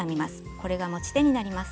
これが持ち手になります。